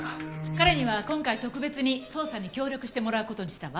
彼には今回特別に捜査に協力してもらう事にしたわ。